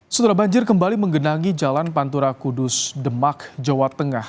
setelah banjir kembali menggenangi jalan pantura kudus demak jawa tengah